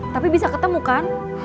tapi bisa ketemu kan